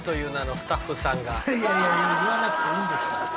いやいやいや言わなくていいんです。